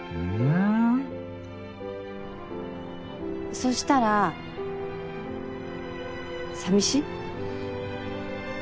そしたら寂しい？